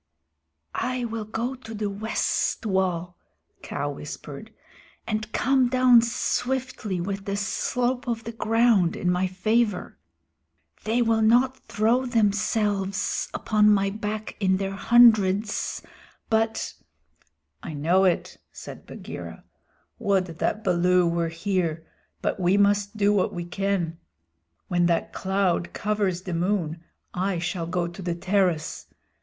"I will go to the west wall," Kaa whispered, "and come down swiftly with the slope of the ground in my favor. They will not throw themselves upon my back in their hundreds, but " "I know it," said Bagheera. "Would that Baloo were here, but we must do what we can. When that cloud covers the moon I shall go to the terrace.